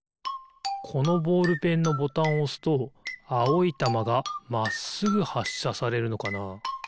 このボールペンのボタンをおすとあおいたまがまっすぐはっしゃされるのかな？